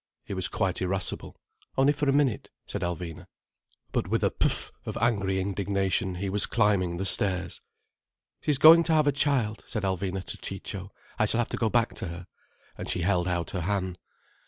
He was quite irascible. "Only for a minute," said Alvina. But with a Pf! of angry indignation, he was climbing the stairs. "She is going to have a child," said Alvina to Ciccio. "I shall have to go back to her." And she held out her hand.